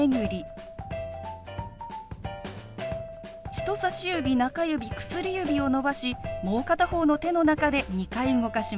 人さし指中指薬指を伸ばしもう片方の手の中で２回動かします。